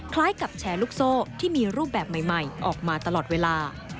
คล้ายกับแชร์ลูกโซ่ที่มีรูปแบบใหม่ออกมาตลอดเวลา